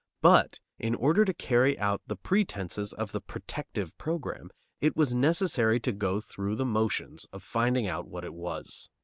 But, in order to carry out the pretences of the "protective" program, it was necessary to go through the motions of finding out what it was.